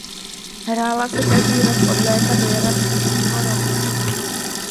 Hrála se každý rok od léta do jara příštího roku.